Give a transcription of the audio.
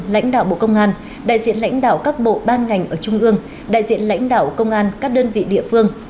lãnh đạo bộ công an đại diện lãnh đạo các bộ ban ngành ở trung ương đại diện lãnh đạo công an các đơn vị địa phương